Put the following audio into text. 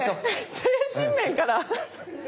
精神面から？